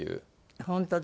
本当だ。